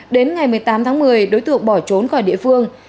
đến ngày một mươi tám tháng một mươi đối tượng bỏ trốn khỏi địa phương